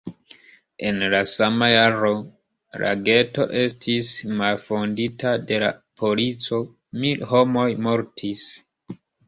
En la sama jaro la geto estis malfondita de la polico; mil homoj mortis.